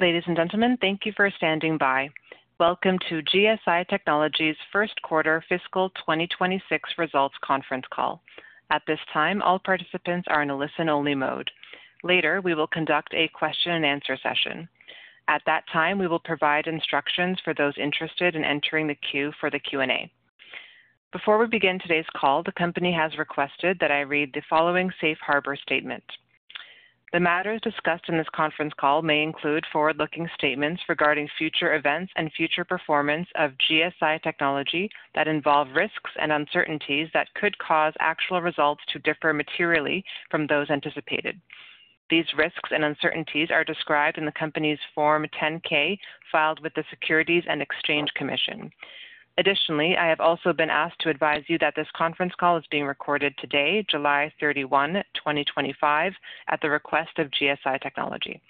Ladies and gentlemen, thank you for standing by. Welcome to GSI Technology's first quarter fiscal 2026 results conference call. At this time, all participants are in a listen-only mode. Later, we will conduct a question-and-answer session. At that time, we will provide instructions for those interested in entering the queue for the Q&A. Before we begin today's call, the company has requested that I read the following safe harbor statement. The matters discussed in this conference call may include forward-looking statements regarding future events and future performance of GSI Technology that involve risks and uncertainties that could cause actual results to differ materially from those anticipated. These risks and uncertainties are described in the company's Form 10-K filed with the Securities and Exchange Commission. Additionally, I have also been asked to advise you that this conference call is being recorded today, July 31, 2025, at the request of GSI Technology.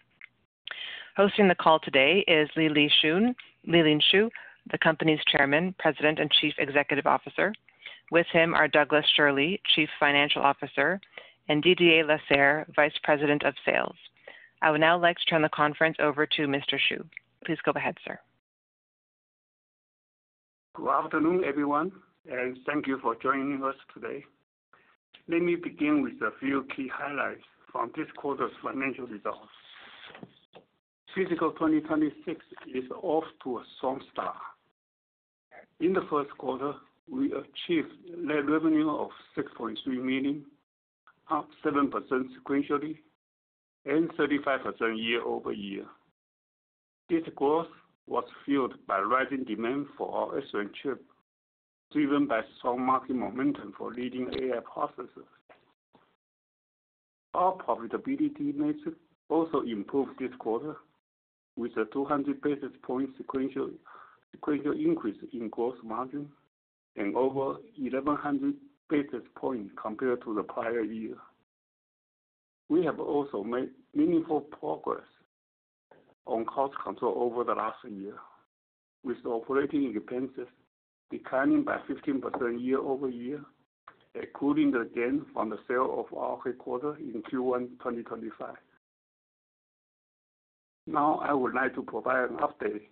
Hosting the call today is Lee-Lean Shu, the company's Chairman, President, and Chief Executive Officer. With him are Douglas Shirley, Chief Financial Officer, and Didier Lasserre, Vice President of Sales. I would now like to turn the conference over to Mr. Shu. Please go ahead, sir. Good afternoon, everyone, and thank you for joining us today. Let me begin with a few key highlights from this quarter's financial results. Fiscal 2026 is off to a strong start. In the first quarter, we achieved net revenue of $6.3 million, up 7% sequentially, and 35% year-over-year. This growth was fueled by rising demand for our S1 chip, driven by strong market momentum for leading AI processors. Our profitability metric also improved this quarter, with a 200 basis point sequential increase in gross margin and over 1,100 basis points compared to the prior year. We have also made meaningful progress on cost control over the last year, with operating expenses declining by 15% year-over-year, including the gain from the sale of our headquarters in Q1 2025. Now, I would like to provide an update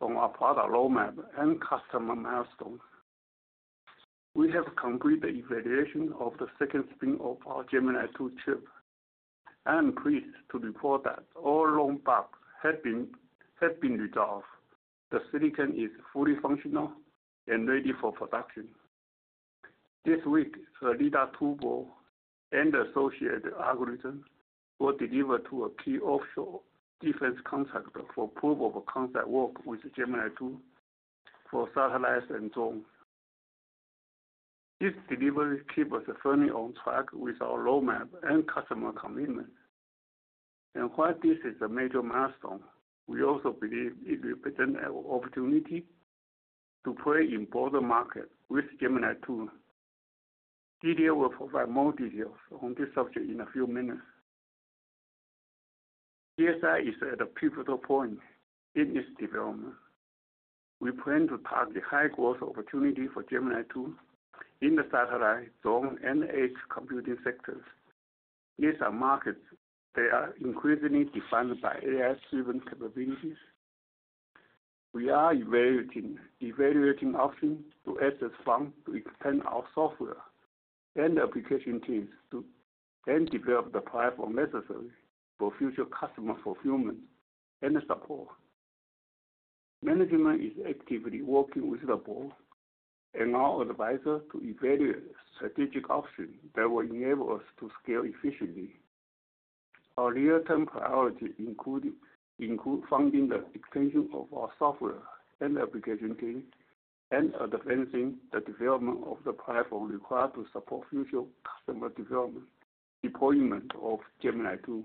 on our product roadmap and customer milestones. We have completed the evaluation of the second spin of our Gemini-II chip and am pleased to report that all load bugs have been resolved. The silicon is fully functional and ready for production. This week, the LiDAR turbo and associated algorithms were delivered to a key offshore defense contractor for proof-of-concept work with Gemini-II for satellites and drones. This delivery keeps us firmly on track with our roadmap and customer commitment. While this is a major milestone, we also believe it represents an opportunity to play in the broader market with Gemini-II. Didier will provide more details on this subject in a few minutes. GSI Technology is at a pivotal point in its development. We plan to target high growth opportunities for Gemini-II in the satellite, drone, and edge computing sectors. These are markets that are increasingly defined by AI-driven capabilities. We are evaluating options to address funds to extend our software and application teams to then develop the platform necessary for future customer fulfillment and support. Management is actively working with the board and our advisor to evaluate strategic options that will enable us to scale efficiently. Our near-term priorities include funding the extension of our software and application teams and advancing the development of the platform required to support future customer development, deployment of Gemini-II.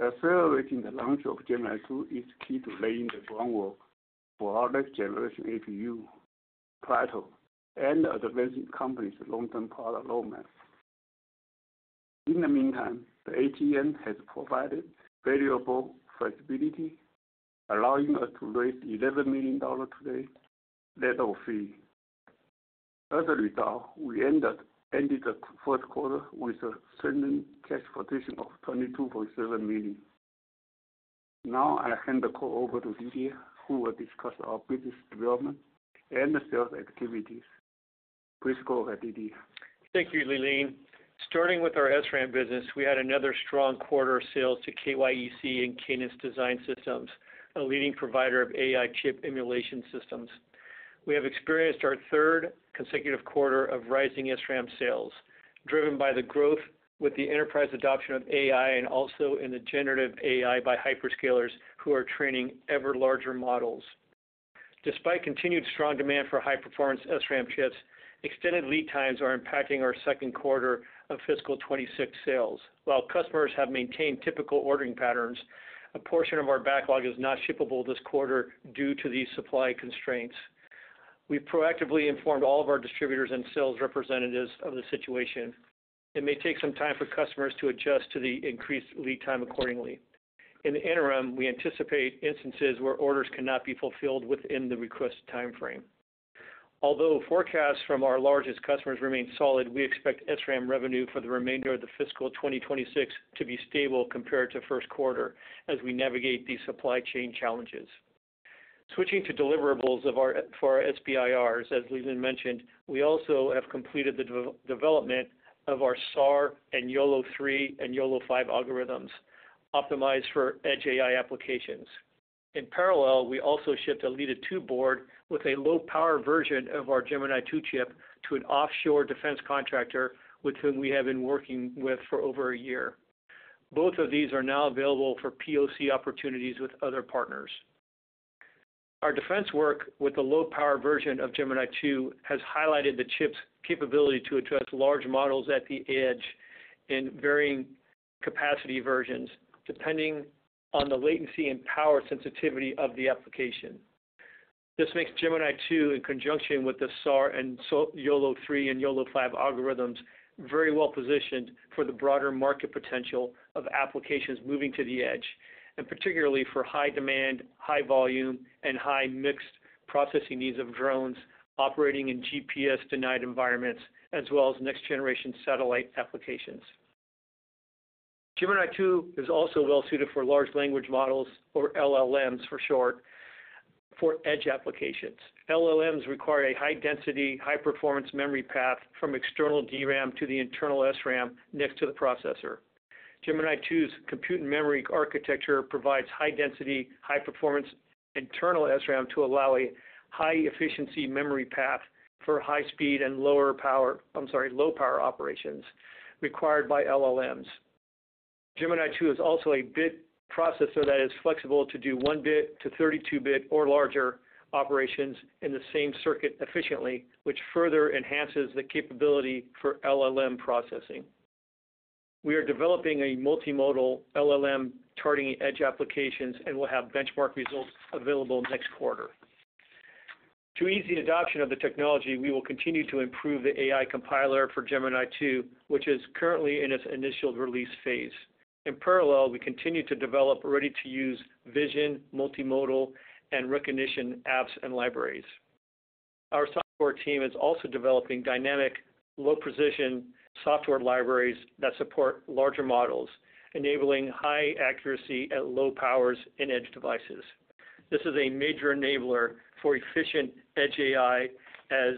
Accelerating the launch of Gemini-II is key to laying the groundwork for our next-generation APU, Plato, and advancing the company's long-term product roadmaps. In the meantime, the ATM facility has provided valuable flexibility, allowing us to raise $11 million to date, net of fees. As a result, we ended the first quarter with a spending cash position of $22.7 million. Now, I'll hand the call over to Didier, who will discuss our business development and sales activities. Please go ahead, Didier. Thank you, Lee-Lean. Starting with our SRAM business, we had another strong quarter sales to KYEC and Cadence Design Systems, a leading provider of AI chip emulation systems. We have experienced our third consecutive quarter of rising SRAM sales, driven by the growth with the enterprise adoption of AI and also in the generative AI by hyperscalers who are training ever-larger models. Despite continued strong demand for high-performance SRAM chips, extended lead times are impacting our second quarter of fiscal 2026 sales. While customers have maintained typical ordering patterns, a portion of our backlog is not shippable this quarter due to these supply constraints. We've proactively informed all of our distributors and sales representatives of the situation. It may take some time for customers to adjust to the increased lead time accordingly. In the interim, we anticipate instances where orders cannot be fulfilled within the request timeframe. Although forecasts from our largest customers remain solid, we expect SRAM revenue for the remainder of the fiscal 2026 to be stable compared to the first quarter as we navigate these supply chain challenges. Switching to deliverables for our SBIRs, as Lea-Lean mentioned, we also have completed the development of our SAR and YOLO3 and YOLO5 algorithms optimized for edge AI applications. In parallel, we also shipped a LiDAR turbo board with a low-power version of our Gemini-II chip to an offshore defense contractor with whom we have been working with for over a year. Both of these are now available for proof-of-concept opportunities with other partners. Our defense work with the low-power version of Gemini-II has highlighted the chip's capability to address large models at the edge in varying capacity versions depending on the latency and power sensitivity of the application. This makes Gemini-II, in conjunction with the SAR and YOLO 3 and YOLO 5 algorithms, very well positioned for the broader market potential of applications moving to the edge, and particularly for high demand, high volume, and high mixed processing needs of drones operating in GPS-denied environments, as well as next-generation satellite applications. Gemini-II is also well suited for large language models, or LLMs for short, for edge applications. LLMs require a high-density, high-performance memory path from external DRAM to the internal SRAM next to the processor. Gemini-II's compute and memory architecture provides high-density, high-performance internal SRAM to allow a high-efficiency memory path for high-speed and low-power operations required by LLMs. Gemini-II is also a bit processor that is flexible to do one-bit to 32-bit or larger operations in the same circuit efficiently, which further enhances the capability for LLM processing. We are developing a multimodal LLM targeting edge applications and will have benchmark results available next quarter. To ease the adoption of the technology, we will continue to improve the AI compiler for Gemini-II, which is currently in its initial release phase. In parallel, we continue to develop ready-to-use vision, multimodal, and recognition apps and libraries. Our software team is also developing dynamic low-precision software libraries that support larger models, enabling high accuracy at low powers in edge devices. This is a major enabler for efficient edge AI. As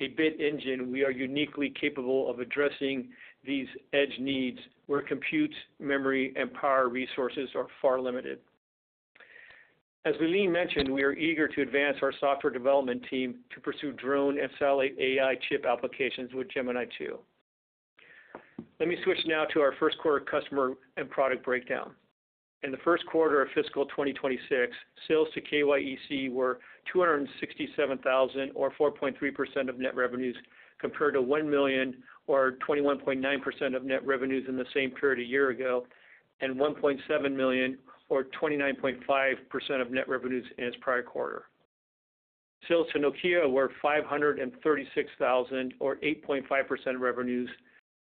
a bit engine, we are uniquely capable of addressing these edge needs where compute, memory, and power resources are far limited. As Lee mentioned, we are eager to advance our software development team to pursue drone and satellite AI chip applications with Gemini-II. Let me switch now to our first quarter customer and product breakdown. In the first quarter of fiscal 2026, sales to KYEC were $267,000, or 4.3% of net revenues, compared to $1 million, or 21.9% of net revenues in the same period a year ago, and $1.7 million, or 29.5% of net revenues in its prior quarter. Sales to Nokia were $536,000, or 8.5% of revenues,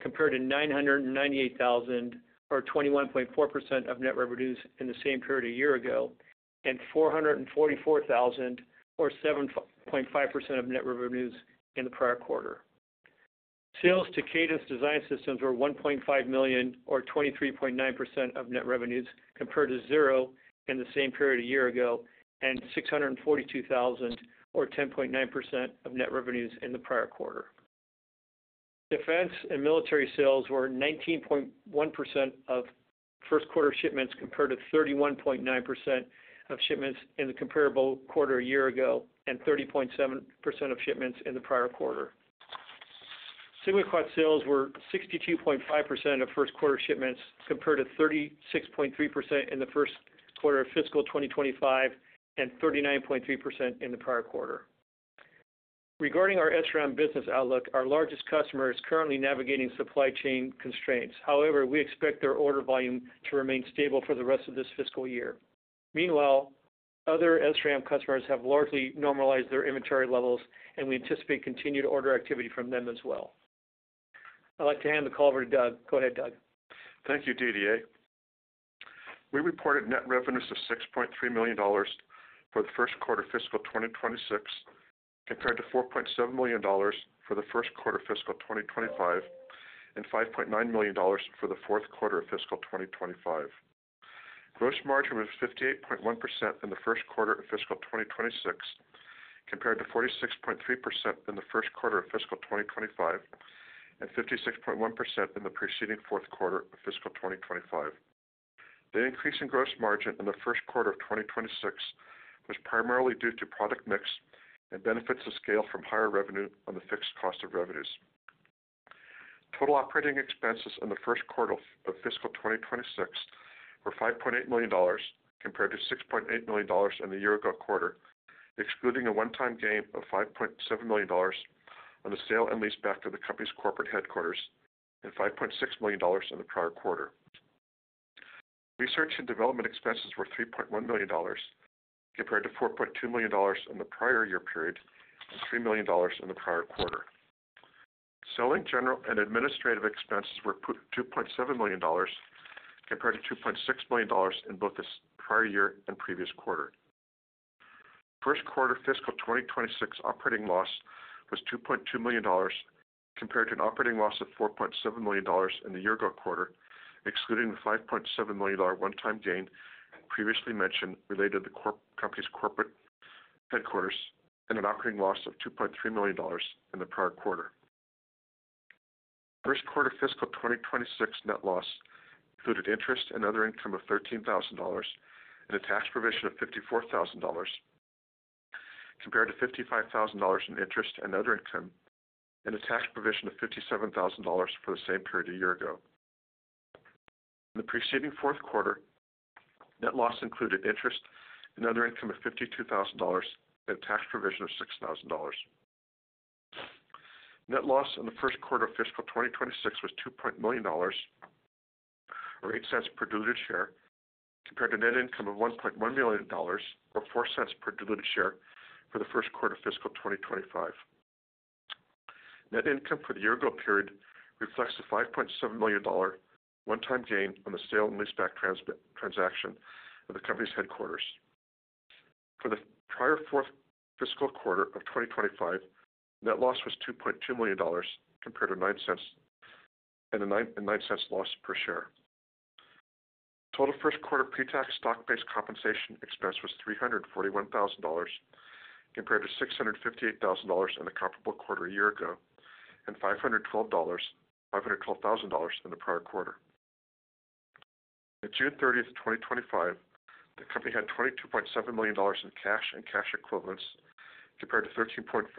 compared to $998,000, or 21.4% of net revenues in the same period a year ago, and $444,000, or 7.5% of net revenues in the prior quarter. Sales to Cadence Design Systems were $1.5 million, or 23.9% of net revenues, compared to zero in the same period a year ago, and $642,000, or 10.9% of net revenues in the prior quarter. Defense and military sales were 19.1% of first quarter shipments, compared to 31.9% of shipments in the comparable quarter a year ago, and 30.7% of shipments in the prior quarter. SigmaQuad sales were 62.5% of first quarter shipments, compared to 36.3% in the first quarter of fiscal 2025, and 39.3% in the prior quarter. Regarding our SRAM business outlook, our largest customer is currently navigating supply chain constraints. However, we expect their order volume to remain stable for the rest of this fiscal year. Meanwhile, other SRAM customers have largely normalized their inventory levels, and we anticipate continued order activity from them as well. I'd like to hand the call over to Doug. Go ahead, Doug. Thank you, Didier. We reported net revenues of $6.3 million for the first quarter of fiscal 2026, compared to $4.7 million for the first quarter of fiscal 2025, and $5.9 million for the fourth quarter of fiscal 2025. Gross margin was 58.1% in the first quarter of fiscal 2026, compared to 46.3% in the first quarter of fiscal 2025, and 56.1% in the preceding fourth quarter of fiscal 2025. The increase in gross margin in the first quarter of 2026 was primarily due to product mix and benefits of scale from higher revenue on the fixed cost of revenues. Total operating expenses in the first quarter of fiscal 2026 were $5.8 million, compared to $6.8 million in the year-ago quarter, excluding a one-time gain of $5.7 million on the sale and lease back to the company's corporate headquarters, and $5.6 million in the prior quarter. Research and development expenses were $3.1 million, compared to $4.2 million in the prior year period, and $3 million in the prior quarter. Selling, general and administrative expenses were $2.7 million, compared to $2.6 million in both the prior year and previous quarter. First quarter fiscal 2026 operating loss was $2.2 million, compared to an operating loss of $4.7 million in the year-ago quarter, excluding the $5.7 million one-time gain previously mentioned related to the company's corporate headquarters, and an operating loss of $2.3 million in the prior quarter. First quarter fiscal 2026 net loss included interest and other income of $13,000 and a tax provision of $54,000, compared to $55,000 in interest and other income, and a tax provision of $57,000 for the same period a year ago. In the preceding fourth quarter, net loss included interest and other income of $52,000 and a tax provision of $6,000. Net loss in the first quarter of fiscal 2026 was $2.0 million or $0.08 per diluted share, compared to net income of $1.1 million or $0.04 per diluted share for the first quarter of fiscal 2025. Net income for the year-ago period reflects a $5.7 million one-time gain on the sale and lease-back transaction of the company's headquarters. For the prior fourth fiscal quarter of 2025, net loss was $2.2 million, compared to $0.09 and a $0.09 loss per share. Total first quarter pre-tax stock-based compensation expense was $341,000, compared to $658,000 in the comparable quarter a year ago, and $512,000 in the prior quarter. On June 30th, 2025, the company had $22.7 million in cash and cash equivalents, compared to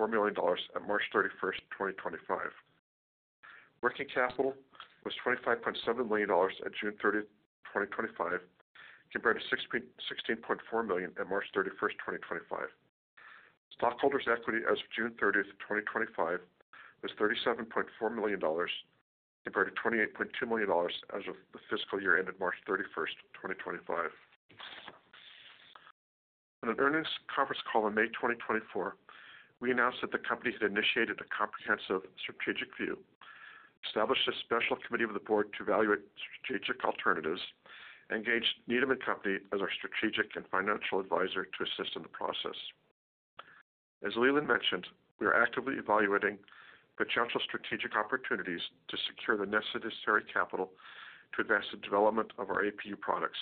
$13.4 million at March 31st, 2025. Working capital was $25.7 million at June 30th, 2025, compared to $16.4 million at March 31st, 2025. Stockholders' equity as of June 30th, 2025, was $37.4 million, compared to $28.2 million as of the fiscal year ended March 31st, 2025. In an earnings conference call in May 2024, we announced that the company had initiated a comprehensive strategic review, established a special committee of the Board to evaluate strategic alternatives, and engaged Needham & Company as our strategic and financial advisor to assist in the process. As Lee-Lean mentioned, we are actively evaluating potential strategic opportunities to secure the necessary capital to advance the development of our APU products.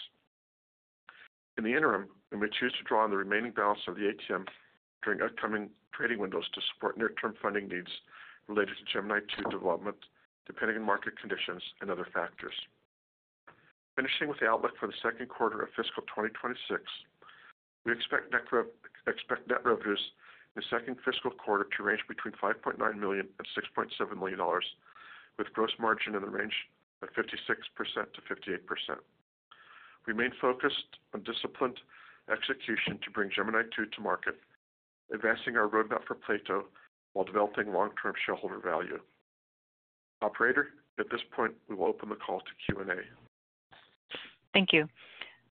In the interim, we may choose to draw on the remaining balance of the ATM facility during upcoming trading windows to support near-term funding needs related to Gemini-II development, depending on market conditions and other factors. Finishing with the outlook for the second quarter of fiscal 2026, we expect net revenues in the second fiscal quarter to range between $5.9 million and $6.7 million, with gross margin in the range of 56%-58%. We remain focused on disciplined execution to bring Gemini-II to market, advancing our roadmap for Plato while developing long-term shareholder value. Operator, at this point, we will open the call to Q&A. Thank you.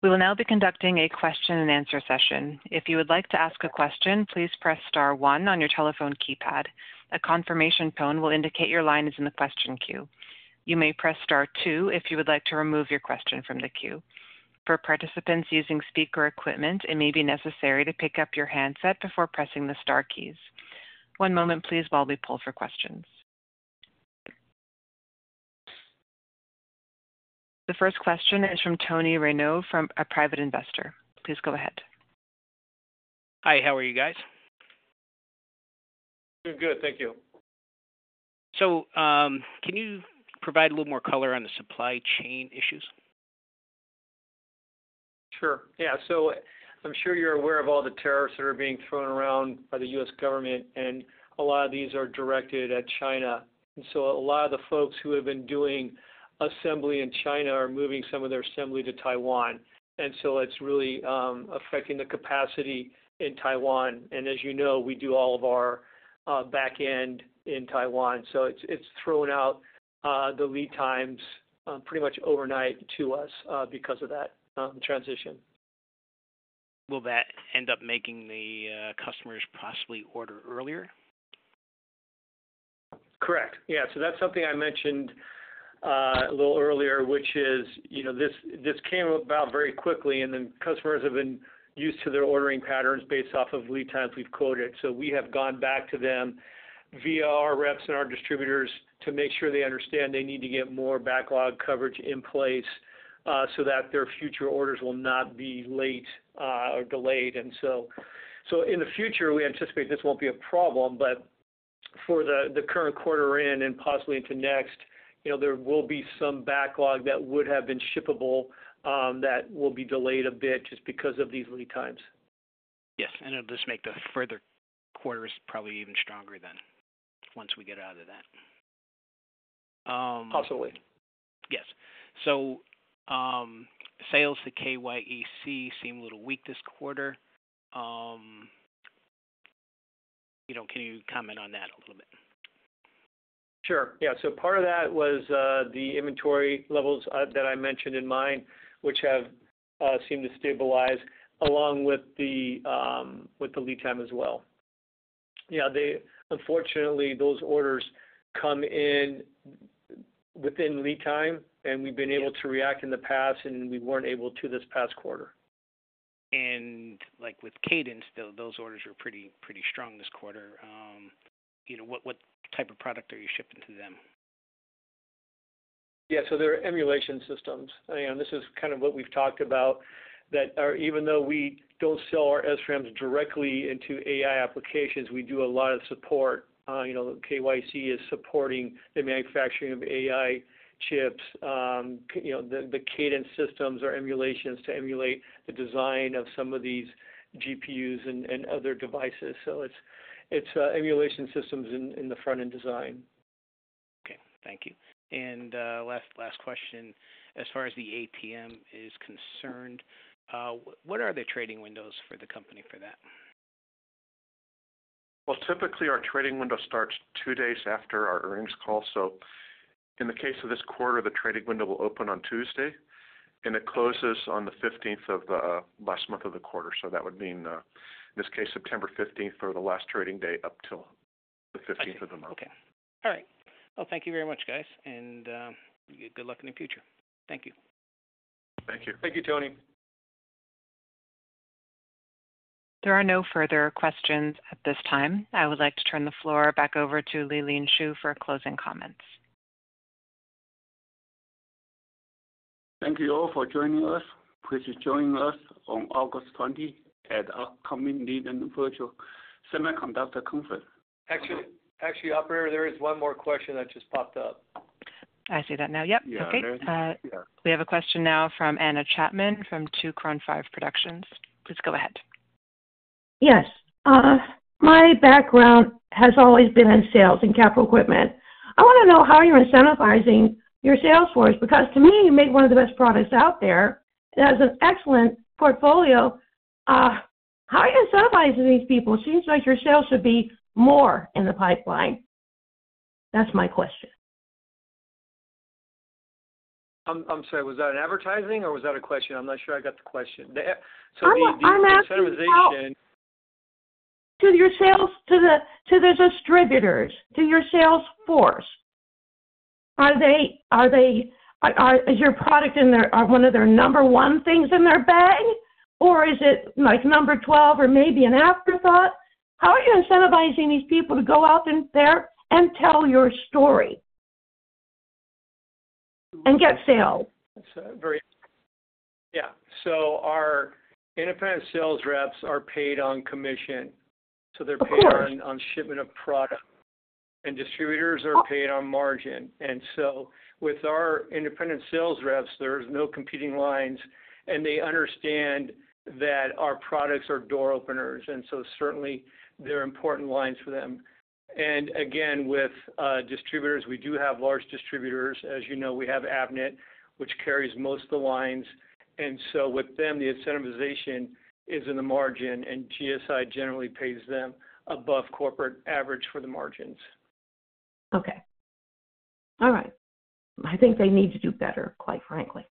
We will now be conducting a question-and-answer session. If you would like to ask a question, please press Star, one on your telephone keypad. A confirmation tone will indicate your line is in the question queue. You may press Star, two if you would like to remove your question from the queue. For participants using speaker equipment, it may be necessary to pick up your handset before pressing the Star keys. One moment, please, while we pull for questions. The first question is from Tony Renaud from a private investor. Please go ahead. Hi, how are you guys? Doing good, thank you. Can you provide a little more color on the supply chain issues? Sure, yeah. I'm sure you're aware of all the tariffs that are being thrown around by the U.S. government, and a lot of these are directed at China. A lot of the folks who have been doing assembly in China are moving some of their assembly to Taiwan. It's really affecting the capacity in Taiwan. As you know, we do all of our backend in Taiwan. It's thrown out the lead times pretty much overnight to us because of that transition. Will that end up making the customers possibly order earlier? Correct. Yeah, that's something I mentioned a little earlier, which is, you know, this came about very quickly, and customers have been used to their ordering patterns based off of lead times we've quoted. We have gone back to them via our reps and our distributors to make sure they understand they need to get more backlog coverage in place, so that their future orders will not be late or delayed. In the future, we anticipate this won't be a problem, but for the current quarter and possibly into next, there will be some backlog that would have been shippable that will be delayed a bit just because of these lead times. Yes, it'll just make the further quarters probably even stronger once we get it out of that. Absolutely. Yes. Sales to KYEC seem a little weak this quarter. You know, can you comment on that a little bit? Sure. Part of that was the inventory levels that I mentioned in mine, which have seemed to stabilize along with the lead time as well. Unfortunately, those orders come in within lead time, and we've been able to react in the past, and we weren't able to this past quarter. With Cadence, those orders are pretty, pretty strong this quarter. You know, what type of product are you shipping to them? Yeah, so they're emulation systems. This is kind of what we've talked about, that even though we don't sell our SRAMs directly into AI applications, we do a lot of support. KYEC is supporting the manufacturing of AI chips, the Cadence systems or emulations to emulate the design of some of these GPUs and other devices. It's emulation systems in the front-end design. Okay, thank you. Last question, as far as the ATM facility is concerned, what are the trading windows for the company for that? Typically, our trading window starts two days after our earnings call. In the case of this quarter, the trading window will open on Tuesday, and it closes on the 15th of the last month of the quarter. That would mean, in this case, September 15th or the last trading day up till the 15th of the month. All right. Thank you very much, guys, and good luck in the future. Thank you. Thank you. Thank you, Tony. There are no further questions at this time. I would like to turn the floor back over to Lee-Lean Shu for closing comments. Thank you all for joining us. Please join us on August 20 at the upcoming Linden Virtual Semiconductor Conference. Operator, there is one more question that just popped up. I see that now. Okay. We have a question now from Anna Chapman from 2Cron5 Productions. Please go ahead. Yes. My background has always been in sales and capital equipment. I want to know, how are you incentivizing your sales force? Because to me, you make one of the best products out there. It has an excellent portfolio. How are you incentivizing these people? It seems like your sales should be more in the pipeline. That's my question. I'm sorry, was that an advertisement or was that a question? I'm not sure I got the question. Are you incentivizing your sales, to the distributors, to your sales force? Is your product one of their number one things in their bag, or is it like number 12 or maybe an afterthought? How are you incentivizing these people to go out there and tell your story and get sales? Our independent sales reps are paid on commission. They're paid on shipment of product, and distributors are paid on margin. With our independent sales reps, there are no competing lines, and they understand that our products are door openers. They're important lines for them. With distributors, we do have large distributors. As you know, we have Avnet, which carries most of the lines. With them, the incentivization is in the margin, and GSI generally pays them above corporate average for the margins. All right. I think they need to do better, quite frankly.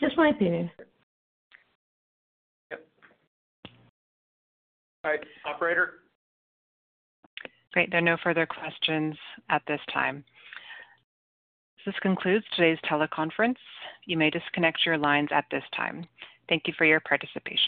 Just my opinion. All right, Operator? Great. There are no further questions at this time. This concludes today's teleconference. You may disconnect your lines at this time. Thank you for your participation.